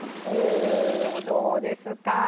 おおどうですか？